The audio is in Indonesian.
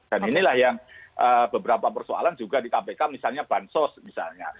dan inilah yang beberapa persoalan juga di kpk misalnya bansos misalnya